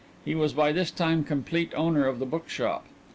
He was by this time complete owner of the bookshop.